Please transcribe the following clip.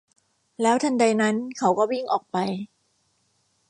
แล้วทันใดนั้นเขาก็วิ่งออกไป